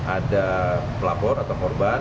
ada pelapor atau korban